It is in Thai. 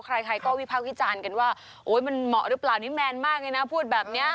ใครก็วิพากษ์วิจารณ์กันว่าโอ๊ยมันเหมาะหรือเปล่านี่แมนมากเลยนะพูดแบบนี้